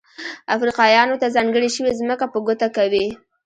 افریقایانو ته ځانګړې شوې ځمکه په ګوته کوي.